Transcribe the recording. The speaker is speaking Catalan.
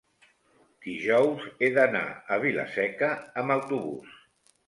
dijous he d'anar a Vila-seca amb autobús.